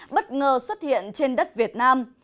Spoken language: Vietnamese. bất ngờ xuất hiện trên đất việt nam